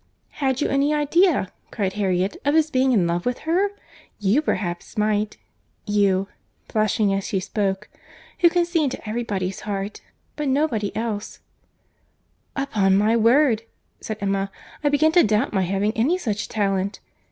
"Had you any idea," cried Harriet, "of his being in love with her?—You, perhaps, might.—You (blushing as she spoke) who can see into every body's heart; but nobody else—" "Upon my word," said Emma, "I begin to doubt my having any such talent.